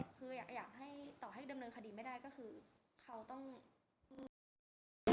คืออยากให้ต่อให้ดำเนินคดีไม่ได้ก็คือเขาต้องอืม